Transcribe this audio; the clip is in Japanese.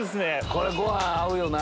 これご飯合うよな。